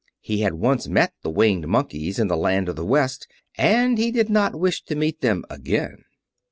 He had once met the Winged Monkeys in the Land of the West, and he did not wish to meet them again.